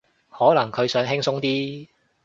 可能佢想輕鬆啲